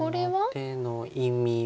その手の意味は。